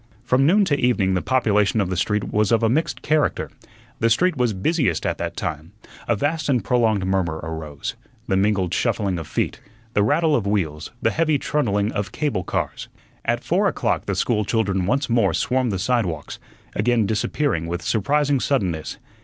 From noon to evening the population of the street was of a mixed character. The street was busiest at that time; a vast and prolonged murmur arose the mingled shuffling of feet, the rattle of wheels, the heavy trundling of cable cars. At four o'clock the school children once more swarmed the sidewalks, again disappearing with surprising suddenness.